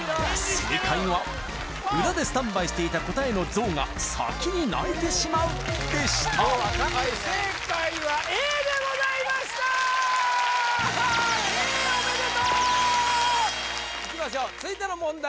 正解は裏でスタンバイしていた答えのゾウが先に鳴いてしまうでした正解はＡでございましたＡおめでとういきましょう続いての問題